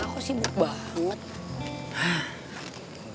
aku sibuk bahagut